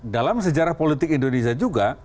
dalam sejarah politik indonesia juga